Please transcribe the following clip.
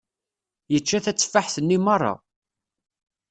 Yečča tateffaḥt-nni merra.